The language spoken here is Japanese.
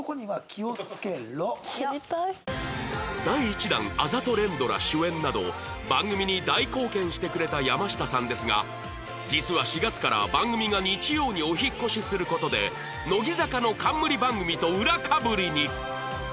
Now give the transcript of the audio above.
第１弾あざと連ドラ主演など番組に大貢献してくれた山下さんですが実は４月から番組が日曜にお引っ越しする事で乃木坂の冠番組と裏かぶりに